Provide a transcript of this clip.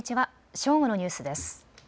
正午のニュースです。